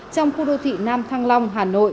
trong khu đô thị nam thăng long hà nội